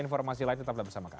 informasi lain tetaplah bersama kami